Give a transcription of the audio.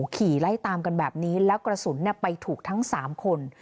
ขี่ไล่ตามกันแบบนี้แล้วกระสุนไปถูกทั้ง๓คน